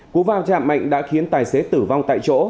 cú va chạm mạnh đã khiến tài xế tử vong tại chỗ